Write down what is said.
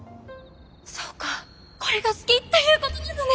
「そうかこれが好きっていうことなのね！」。